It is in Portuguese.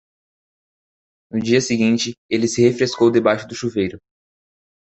No dia seguinte, ele se refrescou debaixo do chuveiro.